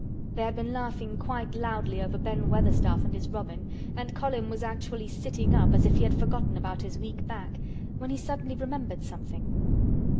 They had been laughing quite loudly over Ben Weatherstaff and his robin, and Colin was actually sitting up as if he had forgotten about his weak back, when he suddenly remembered something.